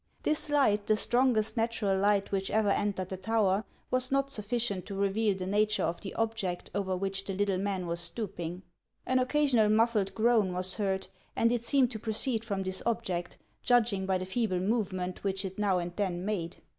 This light, the strongest natural light which ever entered the tower, was not sufficient to reveal the nature of the object over which the little man was stooping. An occasional muffled groan was heard, and it seemed to proceed from this object, judging by the feeble movement which it now and then made.